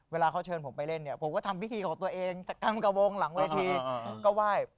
เวลาเขาเชิญผมไปเล่นเนี่ยผมก็ทำพิธีของตัวเองทำกระวงหลังเวทีก็ไหว้